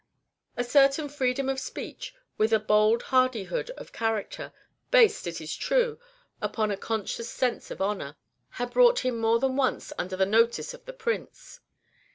A certain freedom of speech, with a bold hardihood of character, based, it is true, upon a conscious sense of honor, had brought him more than once under the notice of the Prince.